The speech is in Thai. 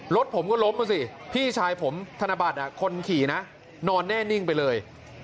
รถผมก็ล้มมาสิพี่ชายผมธนบัตรคนขี่นะนอนแน่นิ่งไปเลย